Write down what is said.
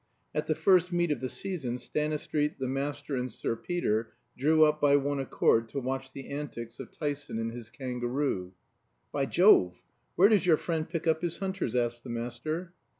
At the first meet of the season Stanistreet, the Master, and Sir Peter drew up by one accord to watch the antics of Tyson and his kangaroo. "By Jove! where does your friend pick up his hunters?" asked the Master.